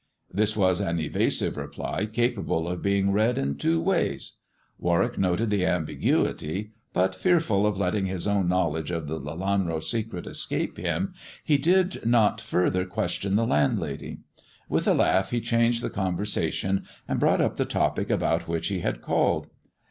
This was an evasive reply capable of being read in two ways. Warwick noted the ambiguity, but, fearful of let ting his own knowledge of the Lelanro secret escape him, he did not further question the landlady. With a laugh he changed the conversation, and brought up the topic about which he had called.